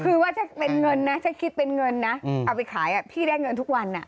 คือว่าถ้าเป็นเงินนะถ้าคิดเป็นเงินนะเอาไปขายพี่ได้เงินทุกวัน